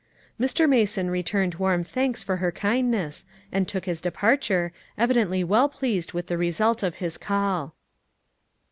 Mr. Mason returned warm thanks for her kindness, and took his departure, evidently well pleased with the result of his call.